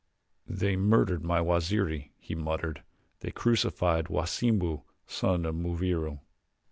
"They murdered my Waziri," he muttered; "they crucified Wasimbu, son of Muviro."